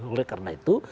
oleh karena itu